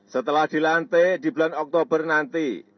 setelah dilantik di bulan oktober nanti